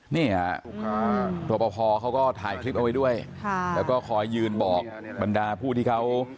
นี่ฮะรอปภเขาก็ถ่ายคลิปเอาไว้ด้วยแล้วก็คอยยืนบอกบรรดาผู้ที่เขา